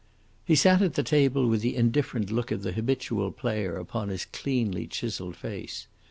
He sat at the table with the indifferent look of the habitual player upon his cleanly chiselled face.